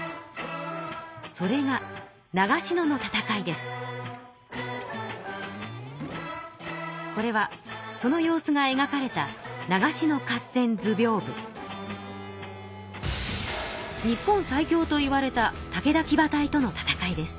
それがこれはその様子がえがかれた日本最強といわれた武田騎馬隊との戦いです。